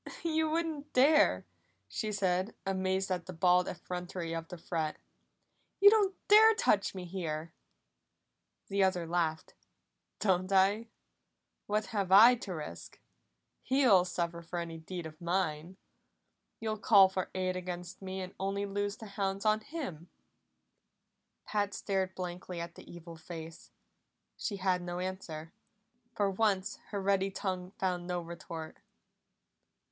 "You wouldn't dare!" she said, amazed at the bald effrontery of the threat. "You don't dare touch me here!" The other laughed. "Don't I? What have I to risk? He'll suffer for any deed of mine! You'll call for aid against me and only loose the hounds on him." Pat stared blankly at the evil face. She had no answer; for once her ready tongue found no retort.